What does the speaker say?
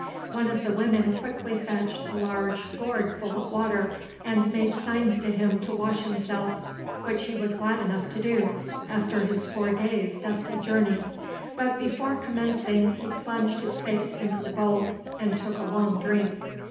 One of the women quickly fetched a large gourd full of water, and made signs to him to wash himself, which he was glad enough to do after his four days' dusty journey, but before commencing he plunged his face into the bowl and took a long drink.